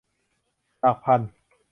หลักพัน